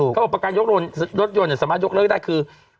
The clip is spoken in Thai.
เขาบอกประการรถยนต์สามารถยกเลิกได้คือ